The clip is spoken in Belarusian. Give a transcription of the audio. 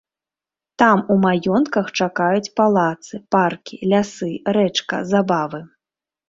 Там у маёнтках чакаюць палацы, паркі, лясы, рэчка, забавы!